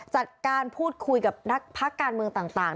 จัดการพูดคุยกับนักพักการเมืองต่าง